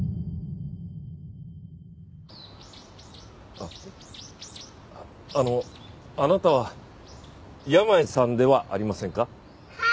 あっあのあなたは山家さんではありませんか？は。